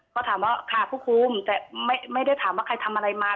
ก็ถามว่าค่ะผู้คุมแต่ไม่ได้ถามว่าใครทำอะไรมา